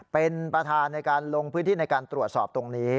เป็นประธานในการลงพื้นที่ในการตรวจสอบตรงนี้